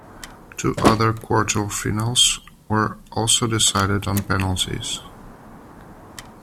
Two other quarter-finals were also decided on penalties.